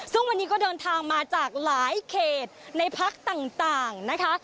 ซึ่งวันนี้ก็เดินทางมาจากหลายเขตในพักต่างนะคะ